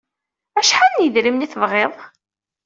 Acḥal n yedrimen ay tebɣiḍ?